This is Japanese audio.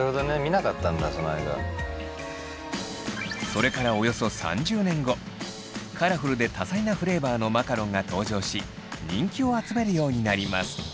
それからおよそ３０年後カラフルで多彩なフレーバーのマカロンが登場し人気を集めるようになります。